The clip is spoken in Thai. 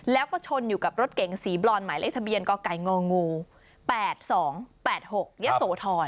แล้วก็ชนอยู่กับรถเก๋งสีบรอนหมายเลขทะเบียนกไก่งองู๘๒๘๖ยะโสธร